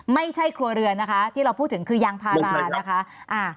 ไม่ใช่ครัวเรือนนะคะที่เราพูดถึงคือยางพารานะคะ